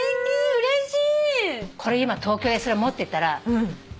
うれしい。